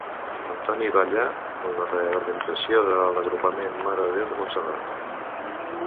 Antoni Batlle en la reorganització de l'Agrupament Mare de Déu de Montserrat.